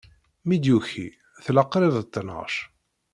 Mi d-yuki, tella qrib d ttnac.